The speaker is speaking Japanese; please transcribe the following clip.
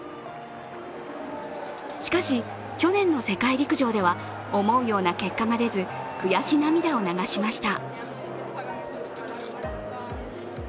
しかし去年の世界陸上では思うような結果が出ず悔し涙を流しました。